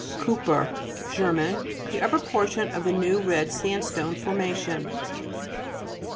KEU'PER Ger. The upper portion of the new red sand stone forma tion (p.